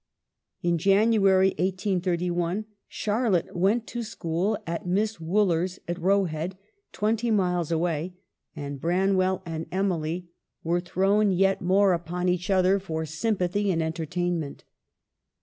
In January, 183 1, Charlotte went to school at Miss Wooler's, at Roe Head, twenty miles away ; and Branwell and Emily were CHILDHOOD. 6 r thrown yet more upon each other for sympathy and entertainment.